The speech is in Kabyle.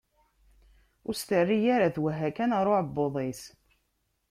Ur as-terri ara, twehha kan ɣer uɛebbuḍ-is.